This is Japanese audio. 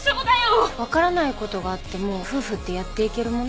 わからない事があっても夫婦ってやっていけるもの？